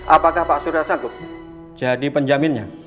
apakah pak surya sanggup jadi penjaminnya